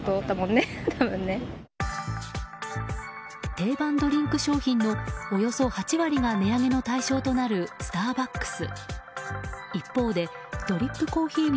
定番ドリンク商品のおよそ８割が値上げの対象となるスターバックス。